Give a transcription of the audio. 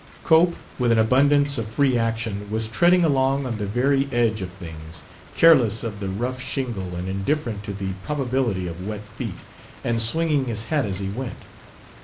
Cope, with an abundance of free action, was treading along on the very edge of things, careless of the rough shingle and indifferent to the probability of wet feet, and swinging his hat as he went.